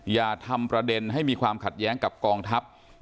อย่าทำประเด็นให้มีความขัดแย้งกับกองทัพ